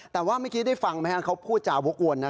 แต่ว่าเมื่อกี้ได้ฟังแมนเขาพูดจ่าโว้งอ่อนนะ